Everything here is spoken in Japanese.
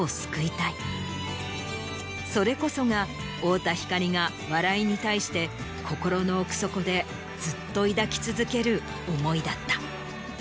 それこそが太田光が笑いに対して心の奥底でずっと抱き続ける思いだった。